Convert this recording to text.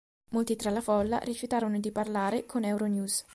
Molti tra la folla rifiutarono di parlare con Euronews.